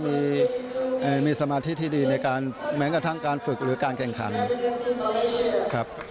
มีสมาธิที่ดีในการแม้กระทั่งการฝึกหรือการแข่งขันครับ